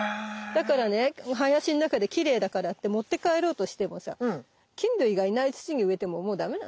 だからね林の中できれいだからって持って帰ろうとしてもさ菌類がいない土に植えてももうダメなの。